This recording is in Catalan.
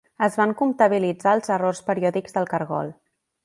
Es van comptabilitzar els errors periòdics del cargol.